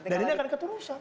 dan ini akan keturunan